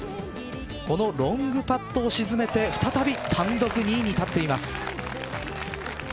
このロングパットを沈めて再び単独２位に立っています。